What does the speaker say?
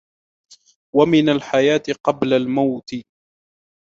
وَمِنْ الْحَيَاةِ قَبْلَ الْمَوْتِ